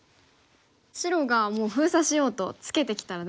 白がもう封鎖しようとツケてきたら。